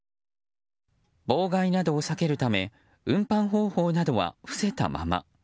妨害などを避けるため運搬方法などは伏せたまま。